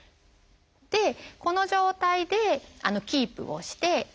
でこの状態でキープをして。